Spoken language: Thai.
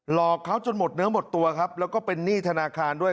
อกเขาจนหมดเนื้อหมดตัวครับแล้วก็เป็นหนี้ธนาคารด้วย